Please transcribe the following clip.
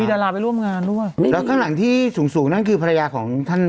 ดาราไปร่วมงานด้วยแล้วข้างหลังที่สูงสูงนั่นคือภรรยาของท่าน